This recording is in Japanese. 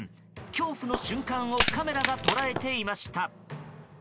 恐怖の瞬間をカメラが捉えていました。